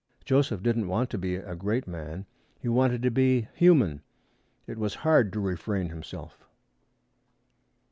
Joseph didn't want to be a great man. He wanted to be human. It was hard to refrain himself.